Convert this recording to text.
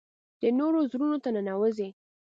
د نورو زړونو ته ننوځي .